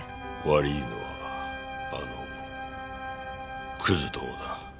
悪いのはあのクズどもだ。